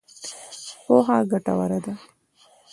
پوهه ګټوره ده.